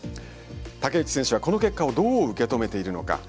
竹内選手はこの結果をどう受け止めているのか。